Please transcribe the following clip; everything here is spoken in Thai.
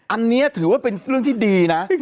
อันนี้ถือว่าเป็นเรื่องที่ดีนะ